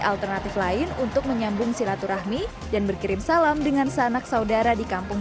alternatif lain untuk menyambung silaturahmi dan berkirim salam dengan sanak saudara di kampung